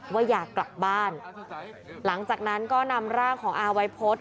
ว่าอยากกลับบ้านหลังจากนั้นก็นำร่างของอาวัยพฤษ